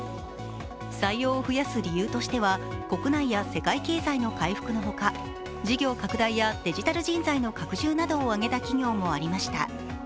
採用を増やす理由としては、国内や世界経済の回復のほか事業拡大やデジタル人材の拡充などを挙げた企業もありました。